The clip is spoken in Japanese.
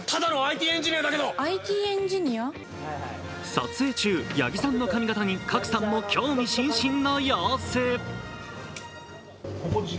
撮影中、八木さんの髪形に賀来さんも興味津々の様子。